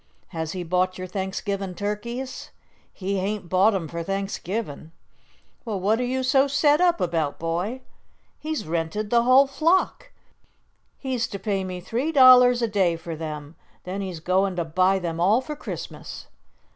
"Has he bought your Thanksgivin' turkeys?" "He hain't bought 'em for Thanksgivin'." "Well, what are you so set up about, boy?" "He's rented the hull flock. He's to pay me three dollars a day for them, then he's goin' to buy them all for Christmas."